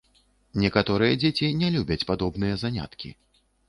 Некаторыя дзеці не любяць падобныя заняткі.